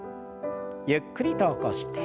ゆっくりと起こして。